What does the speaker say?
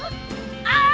ああ！